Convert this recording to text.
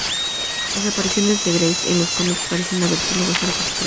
Las apariciones de Grace en los cómics parecen haberse negociado por separado.